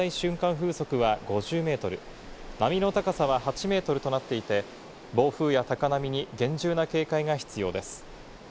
風速は５０メートル、波の高さは８メートルとなっていて、暴風や高波に厳重な警戒が必要です。